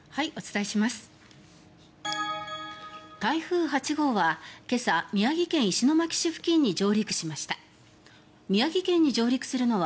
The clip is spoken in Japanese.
台風８号は今朝宮城県石巻市付近に上陸しました。